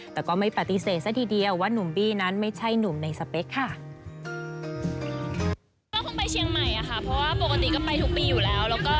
แต่ก็ไม่ปฏิเสธซะทีเดียวว่านุ่มบี้นั้นไม่ใช่หนุ่มในสเปคค่ะ